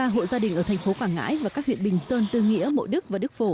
một trăm ba mươi ba hộ gia đình ở thành phố quảng ngãi và các huyện bình sơn tư nghĩa mộ đức và đức phổ